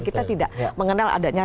kita tidak mengenal adanya